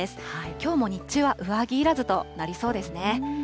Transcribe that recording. きょうも日中は上着いらずとなりそうですね。